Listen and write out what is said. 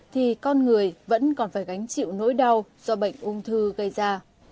thì con người vẫn còn phải gánh chịu nỗi đau do bệnh ung thư gây ra